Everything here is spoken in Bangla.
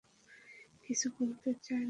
কিছু বলতে চাই না স্যার।